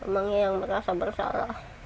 omangnya yang merasa bersalah